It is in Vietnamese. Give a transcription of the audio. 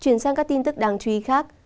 chuyển sang các tin tức đáng chú ý khác